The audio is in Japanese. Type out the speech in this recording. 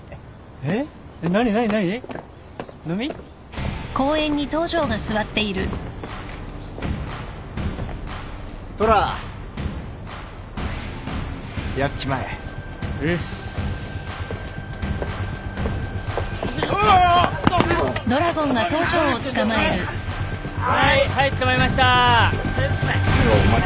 はいはい捕まえました。